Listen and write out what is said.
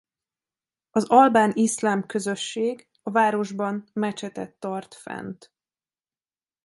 Az albán-iszlám közösség a városban mecsetet tart fent.